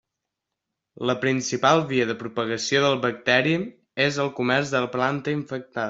La principal via de propagació del bacteri és el comerç de planta infectada.